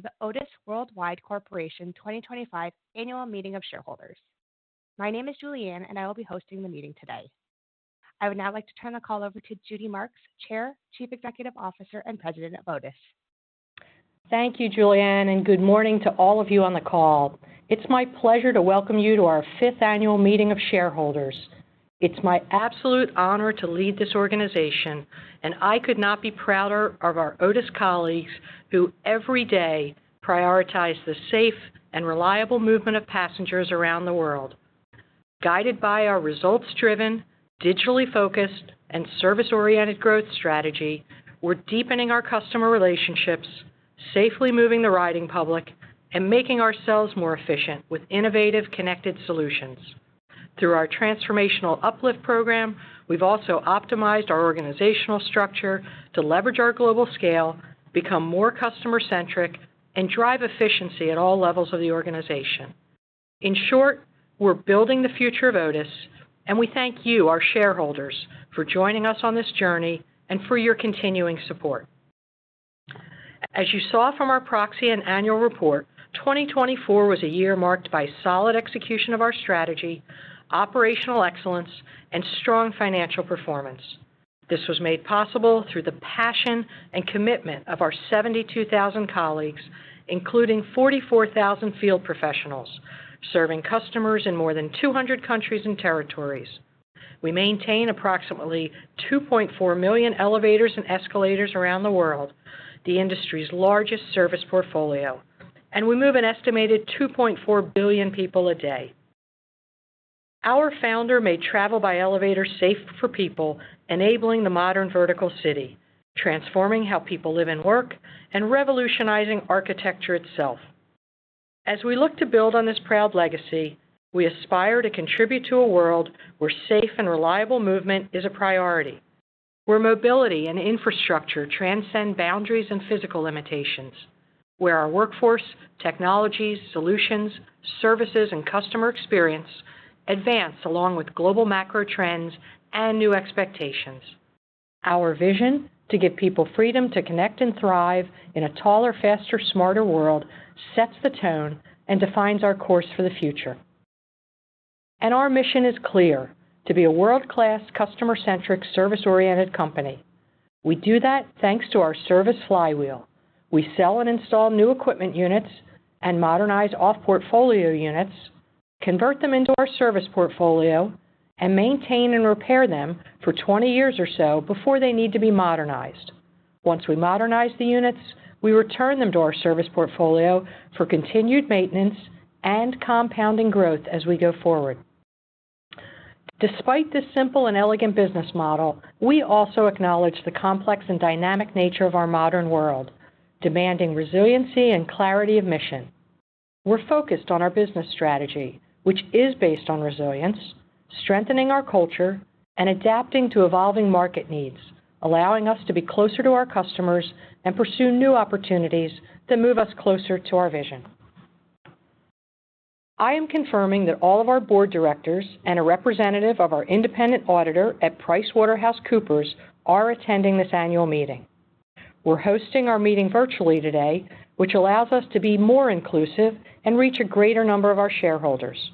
To the Otis Worldwide Corporation 2025 Annual Meeting of Shareholders. My name is Julianne, and I will be hosting the meeting today. I would now like to turn the call over to Judy Marks, Chair, Chief Executive Officer, and President of Otis. Thank you, Julianne, and good morning to all of you on the call. It's my pleasure to welcome you to our fifth annual meeting of shareholders. It's my absolute honor to lead this organization, and I could not be prouder of our Otis colleagues who every day prioritize the safe and reliable movement of passengers around the world. Guided by our results-driven, digitally focused, and service-oriented growth strategy, we're deepening our customer relationships, safely moving the riding public, and making ourselves more efficient with innovative connected solutions. Through our Transformational Uplift Program, we've also optimized our organizational structure to leverage our global scale, become more customer-centric, and drive efficiency at all levels of the organization. In short, we're building the future of Otis, and we thank you, our shareholders, for joining us on this journey and for your continuing support. As you saw from our proxy and annual report, 2024 was a year marked by solid execution of our strategy, operational excellence, and strong financial performance. This was made possible through the passion and commitment of our 72,000 colleagues, including 44,000 field professionals serving customers in more than 200 countries and territories. We maintain approximately 2.4 million elevators and escalators around the world, the industry's largest service portfolio, and we move an estimated 2.4 billion people a day. Our founder made travel by elevator safe for people, enabling the modern vertical city, transforming how people live and work, and revolutionizing architecture itself. As we look to build on this proud legacy, we aspire to contribute to a world where safe and reliable movement is a priority, where mobility and infrastructure transcend boundaries and physical limitations, where our workforce, technologies, solutions, services, and customer experience advance along with global macro trends and new expectations. Our vision to give people freedom to connect and thrive in a taller, faster, smarter world sets the tone and defines our course for the future. Our mission is clear: to be a world-class, customer-centric, service-oriented company. We do that thanks to our service flywheel. We sell and install new equipment units and modernize off-portfolio units, convert them into our service portfolio, and maintain and repair them for 20 years or so before they need to be modernized. Once we modernize the units, we return them to our service portfolio for continued maintenance and compounding growth as we go forward. Despite this simple and elegant business model, we also acknowledge the complex and dynamic nature of our modern world, demanding resiliency and clarity of mission. We're focused on our business strategy, which is based on resilience, strengthening our culture, and adapting to evolving market needs, allowing us to be closer to our customers and pursue new opportunities that move us closer to our vision. I am confirming that all of our board directors and a representative of our independent auditor at PricewaterhouseCoopers are attending this annual meeting. We're hosting our meeting virtually today, which allows us to be more inclusive and reach a greater number of our shareholders.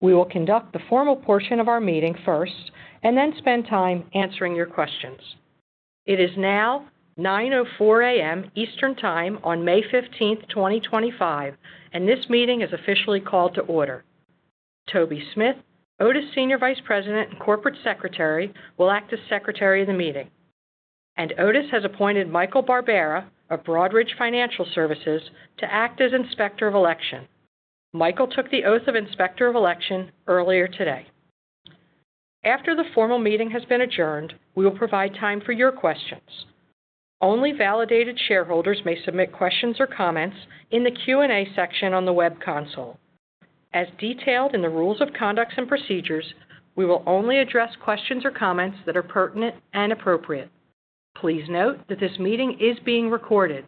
We will conduct the formal portion of our meeting first and then spend time answering your questions. It is now 9:04 A.M. Eastern Time on May 15th, 2025, and this meeting is officially called to order. Toby Smith, Otis Senior Vice President and Corporate Secretary, will act as Secretary of the Meeting, and Otis has appointed Michael Barbera of Broadridge Financial Services to act as Inspector of Election. Michael took the oath of Inspector of Election earlier today. After the formal meeting has been adjourned, we will provide time for your questions. Only validated shareholders may submit questions or comments in the Q&A section on the web console. As detailed in the rules of conduct and procedures, we will only address questions or comments that are pertinent and appropriate. Please note that this meeting is being recorded.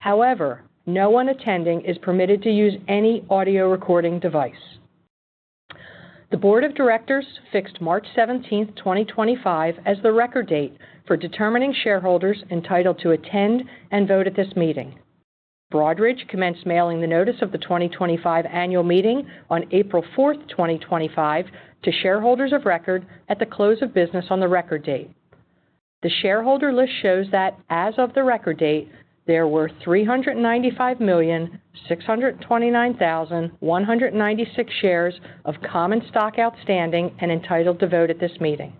However, no one attending is permitted to use any audio recording device. The board of directors fixed March 17th, 2025, as the record date for determining shareholders entitled to attend and vote at this meeting. Broadridge commenced mailing the notice of the 2025 annual meeting on April 4th, 2025, to shareholders of record at the close of business on the record date. The shareholder list shows that, as of the record date, there were 395,629,196 shares of common stock outstanding and entitled to vote at this meeting.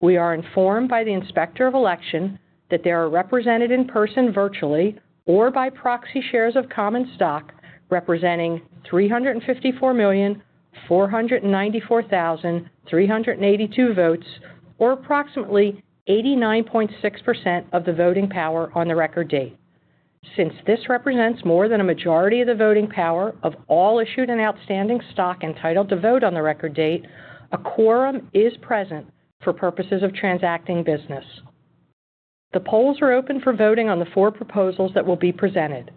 We are informed by the Inspector of Election that there are represented in person virtually or by proxy shares of common stock representing 354,494,382 votes, or approximately 89.6% of the voting power on the record date. Since this represents more than a majority of the voting power of all issued and outstanding stock entitled to vote on the record date, a quorum is present for purposes of transacting business. The polls are open for voting on the four proposals that will be presented.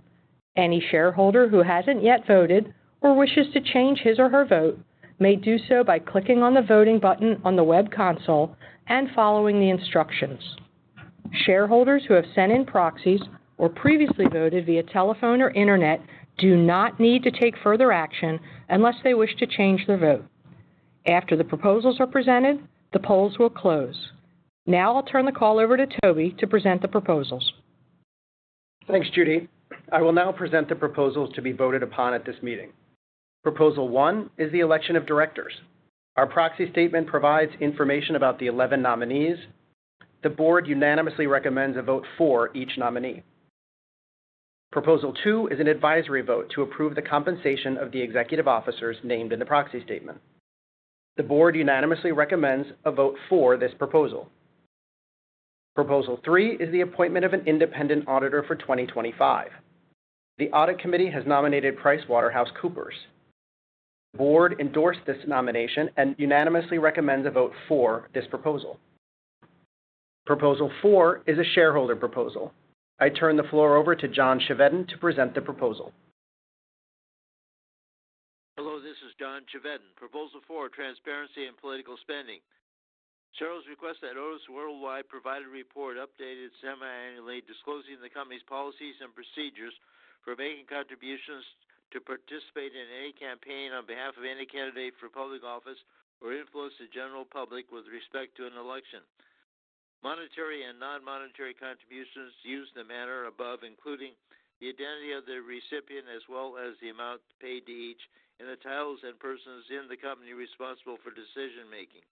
Any shareholder who hasn't yet voted or wishes to change his or her vote may do so by clicking on the voting button on the web console and following the instructions. Shareholders who have sent in proxies or previously voted via telephone or internet do not need to take further action unless they wish to change their vote. After the proposals are presented, the polls will close. Now I'll turn the call over to Toby to present the proposals. Thanks, Judy. I will now present the proposals to be voted upon at this meeting. Proposal one is the election of directors. Our proxy statement provides information about the 11 nominees. The board unanimously recommends a vote for each nominee. Proposal two is an advisory vote to approve the compensation of the executive officers named in the proxy statement. The board unanimously recommends a vote for this proposal. Proposal three is the appointment of an independent auditor for 2025. The audit committee has nominated PricewaterhouseCoopers. The board endorsed this nomination and unanimously recommends a vote for this proposal. Proposal four is a shareholder proposal. I turn the floor over to John Chevedin to present the proposal. Hello, this is John Chevedin. Proposal four, transparency and political spending. Charles requests that Otis Worldwide provide a report updated semi-annually disclosing the company's policies and procedures for making contributions to participate in any campaign on behalf of any candidate for public office or influence the general public with respect to an election. Monetary and non-monetary contributions used in the manner above, including the identity of the recipient as well as the amount paid to each, and the titles and persons in the company responsible for decision-making.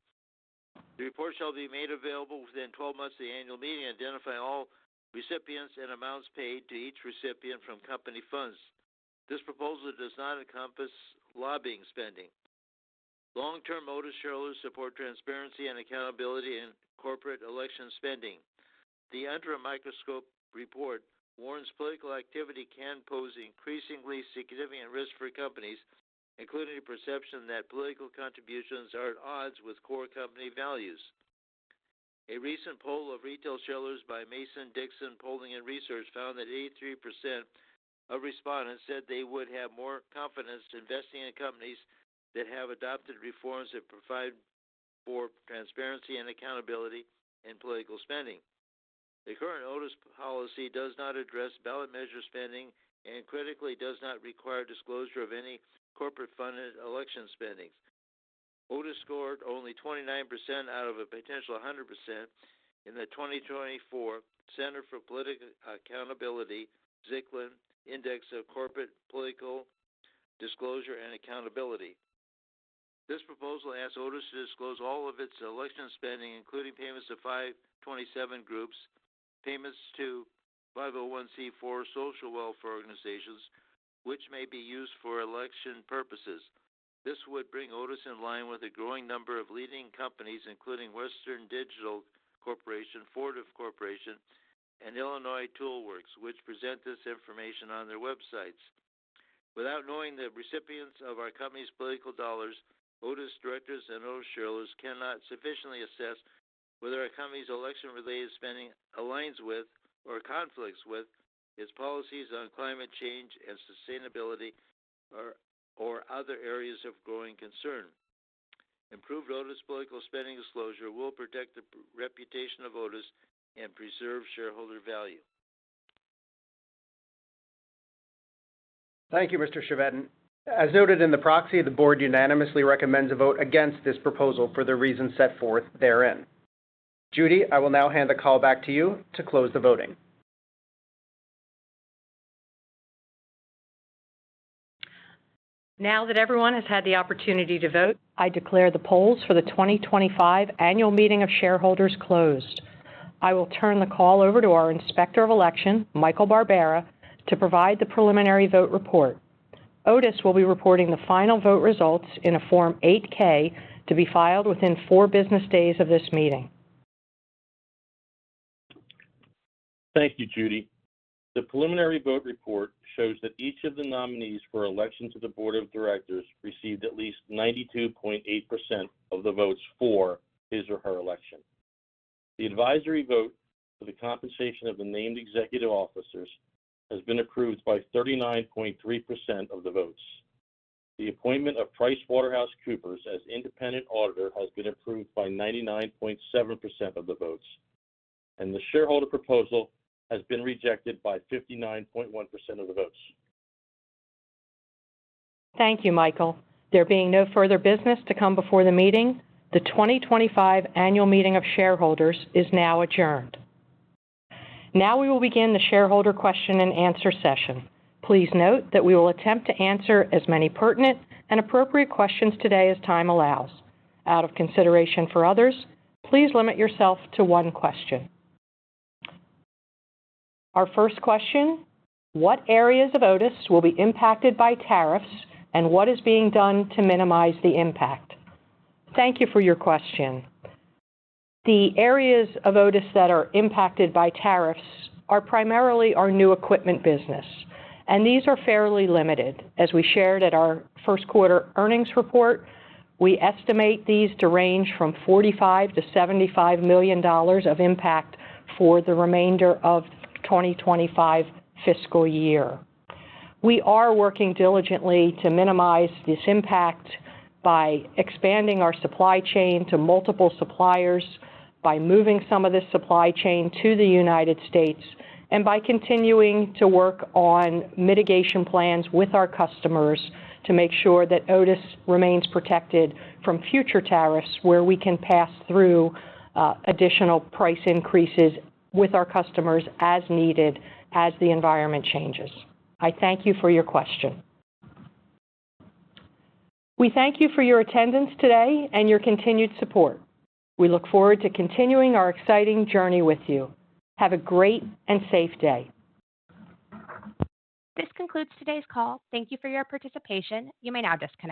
The report shall be made available within 12 months of the annual meeting and identify all recipients and amounts paid to each recipient from company funds. This proposal does not encompass lobbying spending. Long-term Otis shareholders support transparency and accountability in corporate election spending. The under-a-microscope report warns political activity can pose increasingly significant risk for companies, including the perception that political contributions are at odds with core company values. A recent poll of retail shareholders by Mason Dixon Polling and Research found that 83% of respondents said they would have more confidence investing in companies that have adopted reforms that provide for transparency and accountability in political spending. The current Otis policy does not address ballot measure spending and critically does not require disclosure of any corporate-funded election spendings. Otis scored only 29% out of a potential 100% in the 2024 Center for Political Accountability Ziklin Index of Corporate Political Disclosure and Accountability. This proposal asks Otis to disclose all of its election spending, including payments to 527 groups, payments to 501(c)(4) social welfare organizations, which may be used for election purposes. This would bring Otis in line with a growing number of leading companies, including Western Digital Corporation, Ford Motor Company, and Illinois Tool Works, which present this information on their websites. Without knowing the recipients of our company's political dollars, Otis directors and Otis shareholders cannot sufficiently assess whether our company's election-related spending aligns with or conflicts with its policies on climate change and sustainability or other areas of growing concern. Improved Otis political spending disclosure will protect the reputation of Otis and preserve shareholder value. Thank you, Mr. Chevedin. As noted in the proxy, the board unanimously recommends a vote against this proposal for the reasons set forth therein. Judy, I will now hand the call back to you to close the voting. Now that everyone has had the opportunity to vote, I declare the polls for the 2025 annual meeting of shareholders closed. I will turn the call over to our Inspector of Election, Michael Barbera, to provide the preliminary vote report. Otis will be reporting the final vote results in a Form 8K to be filed within four business days of this meeting. Thank you, Judy. The preliminary vote report shows that each of the nominees for election to the board of directors received at least 92.8% of the votes for his or her election. The advisory vote for the compensation of the named executive officers has been approved by 39.3% of the votes. The appointment of PricewaterhouseCoopers as independent auditor has been approved by 99.7% of the votes, and the shareholder proposal has been rejected by 59.1% of the votes. Thank you, Michael. There being no further business to come before the meeting, the 2025 annual meeting of shareholders is now adjourned. Now we will begin the shareholder question and answer session. Please note that we will attempt to answer as many pertinent and appropriate questions today as time allows. Out of consideration for others, please limit yourself to one question. Our first question: What areas of Otis will be impacted by tariffs, and what is being done to minimize the impact? Thank you for your question. The areas of Otis that are impacted by tariffs are primarily our new equipment business, and these are fairly limited. As we shared at our first quarter earnings report, we estimate these to range from $45 million-$75 million of impact for the remainder of the 2025 fiscal year. We are working diligently to minimize this impact by expanding our supply chain to multiple suppliers, by moving some of this supply chain to the United States, and by continuing to work on mitigation plans with our customers to make sure that Otis remains protected from future tariffs where we can pass through additional price increases with our customers as needed as the environment changes. I thank you for your question. We thank you for your attendance today and your continued support. We look forward to continuing our exciting journey with you. Have a great and safe day. This concludes today's call. Thank you for your participation. You may now disconnect.